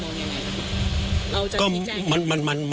ซื้อเนี่ยค่ะอันนี้ทางท่านจรูมมองยังไงครับ